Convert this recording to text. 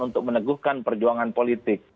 untuk meneguhkan perjuangan politik